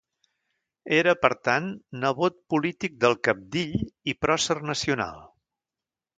Era, per tant, nebot polític del cabdill i pròcer nacional.